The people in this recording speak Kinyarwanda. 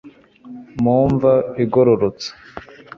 mu mva igororotse